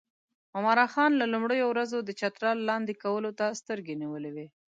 عمرا خان له لومړیو ورځو د چترال لاندې کولو ته سترګې نیولې وې.